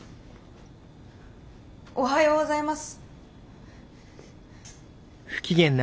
おはようございます。